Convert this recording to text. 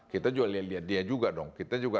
kita juga lihat lihat dia juga dong